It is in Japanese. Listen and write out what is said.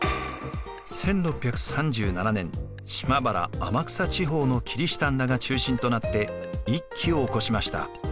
１６３７年島原・天草地方のキリシタンらが中心となって一揆を起こしました。